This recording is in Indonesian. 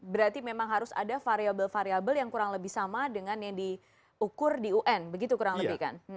berarti memang harus ada variable variable yang kurang lebih sama dengan yang diukur di un begitu kurang lebih kan